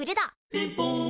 「ピンポン」